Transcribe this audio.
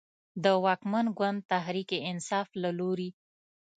د واکمن ګوند تحریک انصاف له لورې